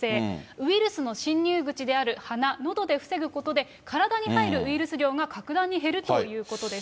ウイルスの侵入口である、鼻、のどで防ぐことで体に入るウイルス量が格段に減るということです。